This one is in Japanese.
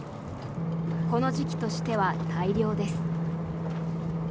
この時期としては大漁です。